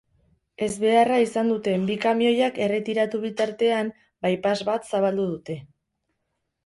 Ezbeharra izan duten bi kamioiak erretiratu bitartean, bypass bat zabaldu dute.